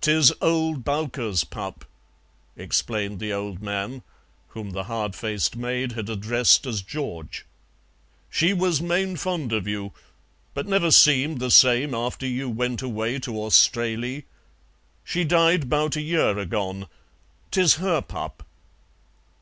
"'Tis old Bowker's pup," explained the old man, whom the hard faced maid had addressed as George. "She was main fond of you; never seemed the same after you went away to Australee. She died 'bout a year agone. 'Tis her pup."